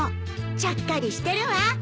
ちゃっかりしてるわ。